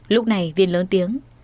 lúc này viên lớn tiếng